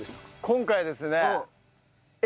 今回はですね。